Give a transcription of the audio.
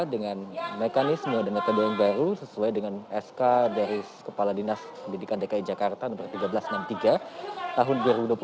dengan mekanisme dan metode yang baru sesuai dengan sk dari kepala dinas pendidikan dki jakarta no seribu tiga ratus enam puluh tiga tahun dua ribu dua puluh satu